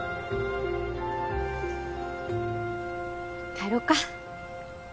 帰ろうか。